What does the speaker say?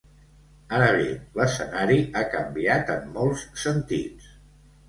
Ara bé, l’escenari ha canviat en molts sentits.